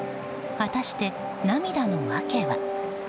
果たして、涙の訳は。